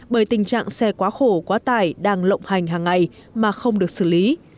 bởi tình trạng xe quá khổ quá tải đang lộng hành hàng ngày mà không được xử lý